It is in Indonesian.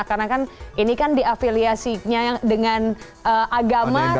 karena kan ini kan diafiliasinya dengan agama